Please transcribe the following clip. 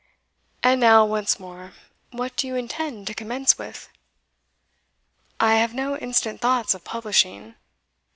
And now, once more, what do you intend to commence with?" "I have no instant thoughts of publishing."